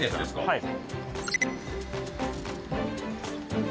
はい。